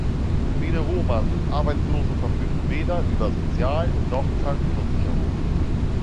Viele Roma sind arbeitslos und verfügen weder über Sozialnoch Krankenversicherung.